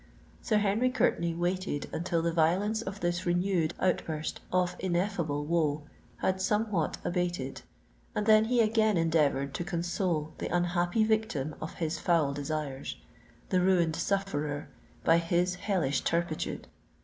Sir Henry Courtenay waited until the violence of this renewed outburst of ineffable woe had somewhat abated; and then he again endeavoured to console the unhappy victim of his foul desires—the ruined sufferer by his hellish turpitude!